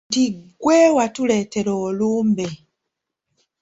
Nti ggwe watuleetera olumbe.